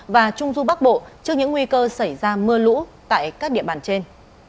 và trung du bắc bộ trước những nguy cơ xảy ra mưa lũ tại các địa bàn trên